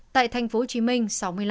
tại thành phố hồ chí minh sáu mươi năm